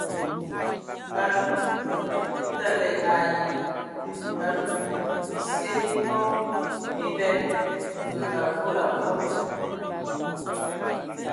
Alug təgə ai alugu ;bisie bi mɔ biben və avɔl avɔl.